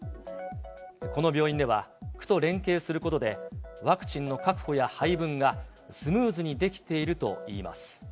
この病院では、区と連携することで、ワクチンの確保や配分がスムーズにできているといいます。